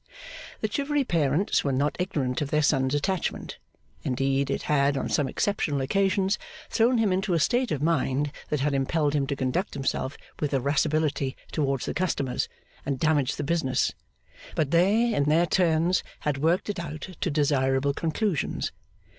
The Chivery parents were not ignorant of their son's attachment indeed it had, on some exceptional occasions, thrown him into a state of mind that had impelled him to conduct himself with irascibility towards the customers, and damage the business but they, in their turns, had worked it out to desirable conclusions.